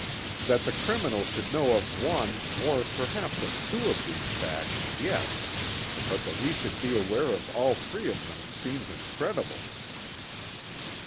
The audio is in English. That the criminal should know of one, or perhaps of two of these facts, yes. But that he should be aware of all three of them seems incredible!"